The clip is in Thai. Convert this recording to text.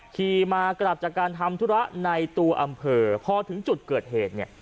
ขี่มากลับจากการทำธุระในตัวอำเภอพอถึงจุดเกิดเหตุเนี่ย